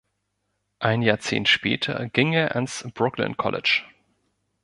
Ein Jahrzehnt später ging er ans Brooklyn College.